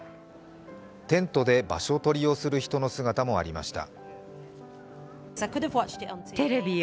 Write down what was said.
テントで場所取りをする人の姿もありました。